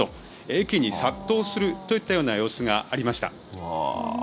駅に殺到するといったような様子がありました。